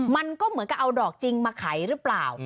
มันก็เหมือนกับเอาดอกจริงมาไขหรือเปล่า